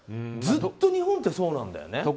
ずっと日本ってそうなんだよね。